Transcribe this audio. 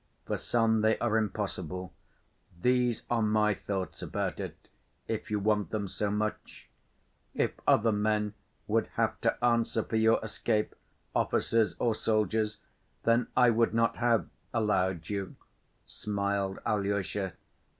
For some they are impossible. These are my thoughts about it, if you want them so much. If other men would have to answer for your escape, officers or soldiers, then I would not have 'allowed' you," smiled Alyosha.